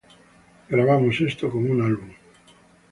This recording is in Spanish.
Grabamos esto como un álbum.